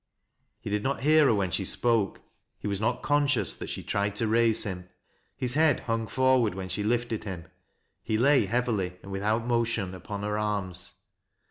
He did not hear her when she spoke ; he was net cx)n »c:ou& that she tried to raise him ; his head hung forward when she lifted him ; he lay heavily, and withe ut motion, apon her arms.